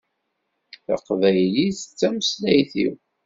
Taqbaylit d tameslayt-iw